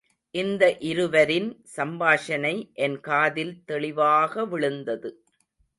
இந்த இருவரின் சம்பாஷணை என் காதில் தெளிவாக விழுந்தது.